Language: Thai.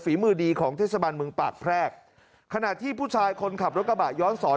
มือดีของเทศบาลเมืองปากแพรกขณะที่ผู้ชายคนขับรถกระบะย้อนสอน